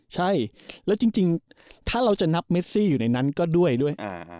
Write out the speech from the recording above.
ใช่แล้วจริงถ้าเราจะนับเมซี่อยู่ในนั้นก็ด้วยด้วย